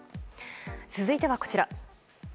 続いては、こちら。